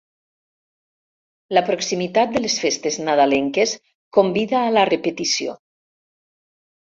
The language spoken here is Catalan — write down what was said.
La proximitat de les festes nadalenques convida a la repetició.